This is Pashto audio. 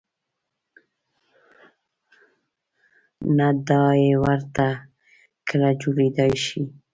نه دای ورته کله جوړېدای شي.